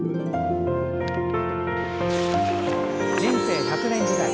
人生１００年時代。